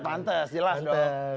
pantes jelas dong